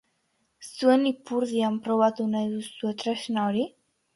Zuen ipurdian probatu nahi duzue tresna hori?